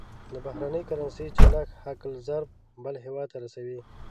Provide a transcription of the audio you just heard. د بهرنۍ کرنسۍ چلښت حق الضرب بل هېواد ته رسوي.